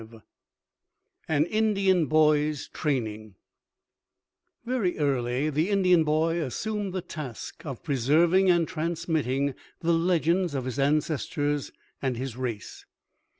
V AN INDIAN BOY'S TRAINING Very early, the Indian boy assumed the task of preserving and transmitting the legends of his ancestors and his race.